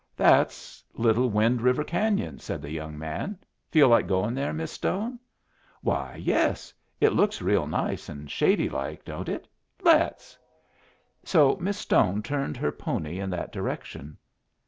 "That's Little Wind River Canyon," said the young man. "Feel like goin' there, Miss Stone?" "Why, yes. It looks real nice and shady like, don't it? Let's." So Miss Stone turned her pony in that direction.